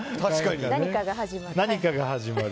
何かが始まる。